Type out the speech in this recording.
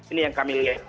ini yang kami lihat